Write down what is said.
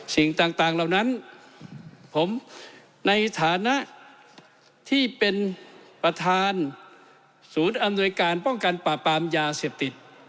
สิ่งต่างเหล่านั้นผมในฐานะที่เป็นประธานศูนย์อำนวยการป้องกันปราบปรามยาเสพติด